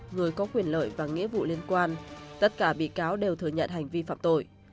người có quyền lợi và nghĩa vụ liên quan tất cả bị cáo đều thừa nhận hành vi phạm tội